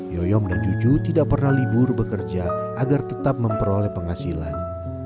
yoyom dan cucu tidak pernah libur bekerja agar tetap memperoleh penghasilan